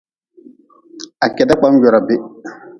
Kwiri n mirih.